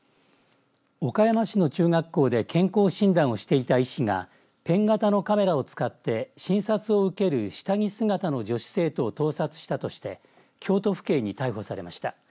岡山市の中学校で健康診断をしていた医師がペン型のカメラを使って診察を受ける下着姿の女子生徒を盗撮したとして京都府警に逮捕されました。